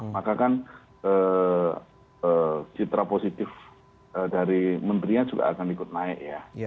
maka kan citra positif dari menterinya juga akan ikut naik ya